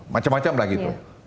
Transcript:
macem macem lagi itu